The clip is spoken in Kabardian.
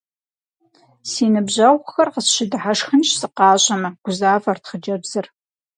Си ныбжьэгъухэр къысщыдыхьэшхынщ, сыкъащӀэмэ, - гузавэрт хъыджэбзыр.